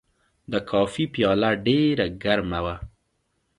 د کافي پیاله ډېر ګرمه وه.